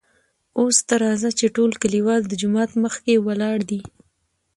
اوس ته راځه چې ټول کليوال دجومات مخکې ولاړ دي .